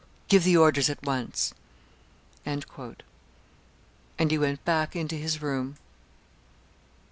Give the orders at once.'" And he went back into his room.